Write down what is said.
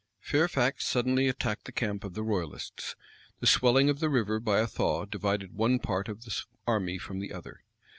Fairfax suddenly attacked the camp of the royalists. The swelling of the river by a thaw divided one part of the army from the other.